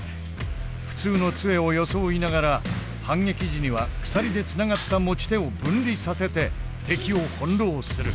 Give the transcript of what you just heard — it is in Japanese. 普通の杖を装いながら反撃時には鎖でつながった持ち手を分離させて敵を翻弄する。